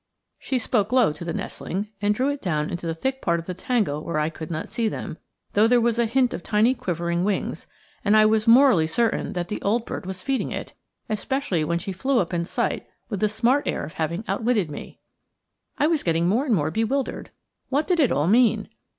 She spoke low to the nestling, and drew it down into the thick part of the tangle where I could not see them, though there was a hint of tiny quivering wings, and I was morally certain that the old bird was feeding it, especially when she flew up in sight with the smart air of having outwitted me. I was getting more and more bewildered. What did it all mean?